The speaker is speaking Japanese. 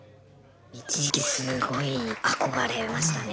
一時期すごい憧れましたね。